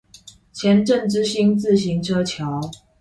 前鎮之星自行車橋